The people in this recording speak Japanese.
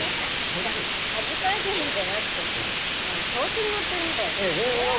いや恥ずかしいんじゃなくて何か調子に乗ってるみたいじゃん。